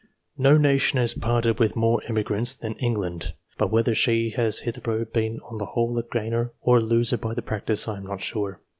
No nation has parted with more emigrants than England, but whether she has hitherto been on the whole a gainer or a loser by the practice, I am not sure.